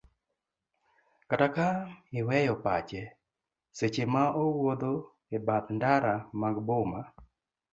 kata ka iweyo pache seche ma owuodho e bath ndara mag boma